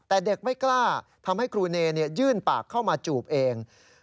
แต่เด็กไม่กล้าทำให้ครูเนยื่นปากเข้ามาจูบเอง